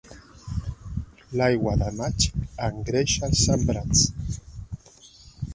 L'aigua de maig engreixa els sembrats.